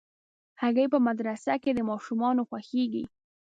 هګۍ په مدرسه کې د ماشومانو خوښېږي.